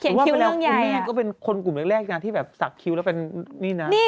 เขียนคิ้วเรื่องใหญ่อ่ะนะครับก็เป็นคนกลุ่มแรกนะที่แบบสักคิ้วแล้วเป็นนี่นั้น